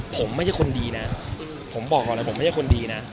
ผมไม่ใช่คนดีนะผมบอกก่อนเลยผมไม่ใช่คนดีนะ